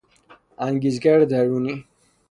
انگیزگر درونی